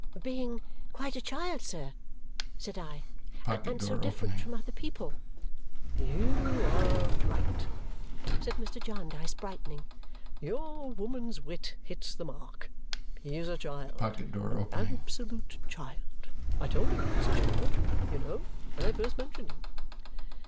"Being quite a child, sir," said I, "and so different from other people " "You are right!" said Mr. Jarndyce, brightening. "Your woman's wit hits the mark. He is a child an absolute child. I told you he was a child, you know, when I first mentioned him."